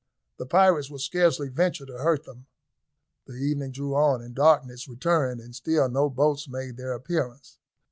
"The pirates will scarcely venture to hurt them." The evening drew on and darkness returned, and still no boats made their appearance.